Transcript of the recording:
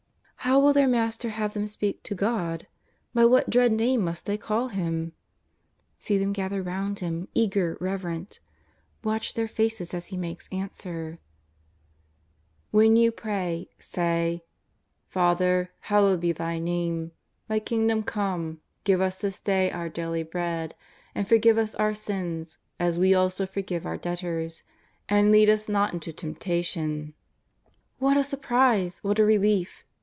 How will their Master have them speak to God ? by what dread Name must they call Him? See them gather round Him, eager, reverent. Watch their faces as He makes answer: " When you pray say : Father, hallowed be Thy ISTame ; Thy Kingdom come ; give us this day our daily bread ; and forgive us our sins as we also forgive our debtors ; and lead us not into temptation." 280 JESUS OF NAZARETH. What a surprise, what a relief!